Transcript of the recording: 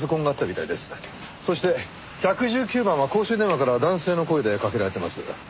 そして１１９番は公衆電話から男性の声でかけられています。